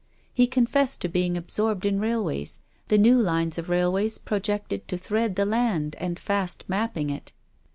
He confessed to being absorbed in railways, the new lines of railways projected to thread the land and fast mapping it.